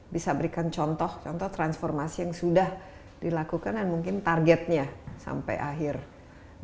bisa berikan contoh contoh transformasi yang sudah dilakukan dan mungkin targetnya sampai akhir tahun ini